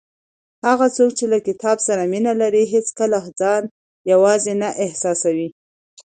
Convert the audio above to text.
هغه څوک چې له کتاب سره مینه لري هیڅکله ځان یوازې نه احساسوي.